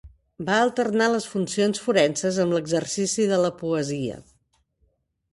Va alternar les funcions forenses amb l'exercici de la poesia.